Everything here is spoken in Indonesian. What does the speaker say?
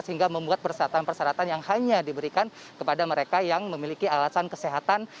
sehingga membuat persyaratan persyaratan yang hanya diberikan kepada mereka yang memiliki alasan kesehatan